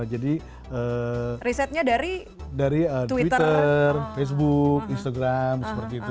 jadi risetnya dari twitter facebook instagram seperti itu